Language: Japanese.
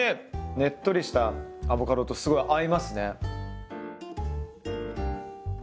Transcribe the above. ネットリしたアボカドとすごい合いますね。